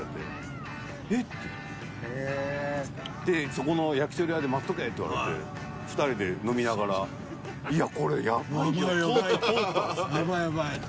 「そこの焼き鳥屋で待っとけ」って言われて２人で飲みながら「いやこれやばい。通った」って。